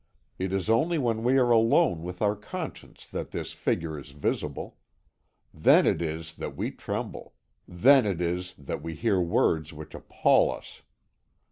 "It is only when we are alone with our conscience that this figure is visible. Then it is that we tremble; then it is that we hear words which appal us.